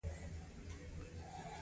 وروسته پارلمان ته د تصویب لپاره ځي.